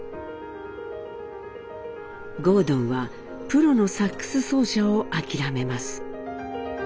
郷敦はプロのサックス奏者を諦めます。